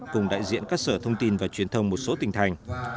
cùng đại diện các sở thông tin và truyền thông một số tỉnh thành